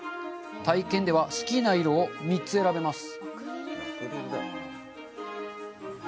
体験では好きな色を３つ選べます。